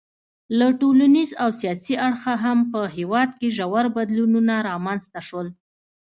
له ټولنیز او سیاسي اړخه هم په هېواد کې ژور بدلونونه رامنځته شول.